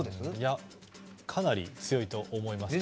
かなり強いと思います。